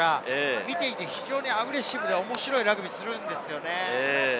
見ていてアグレッシブで面白いラグビーをするんですよね。